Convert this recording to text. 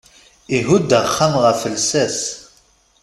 Ihudd axxam ɣef llsas.